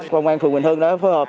quân an phường bình hương đã phối hợp